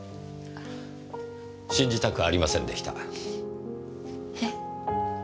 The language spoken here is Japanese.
信じたくありませんでした。え？